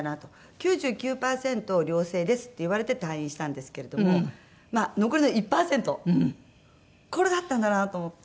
「９９パーセント良性です」って言われて退院したんですけれどもまあ残りの１パーセントこれだったんだなと思って。